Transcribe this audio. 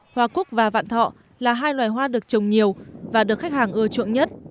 hoa cúc và vạn thọ là hai loài hoa được trồng nhiều và được khách hàng ưa chuộng nhất